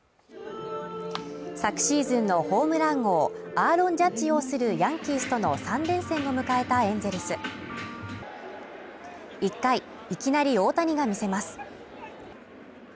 昨シーズンのホームラン王アーロン・ジャッジ擁するヤンキースとの３連戦を迎えたエンゼルス１回いきなり大谷が見せます。